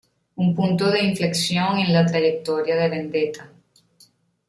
Un punto de inflexión en la trayectoria de Vendetta.